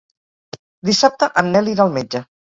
Dissabte en Nel irà al metge.